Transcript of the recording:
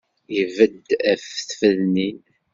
Ibedd af tfednin.